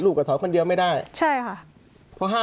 ลูกกับทรนคนเดียวไม่ได้ใช่นะคะ